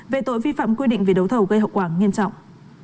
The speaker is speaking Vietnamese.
về tội vi phạm quy định về đấu thầu gây hậu quả nghiêm trọng